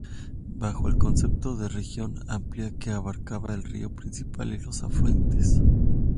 Bajo el concepto de región amplia que abarcaba el río principal y los afluentes.